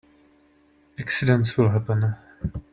Accidents will happen.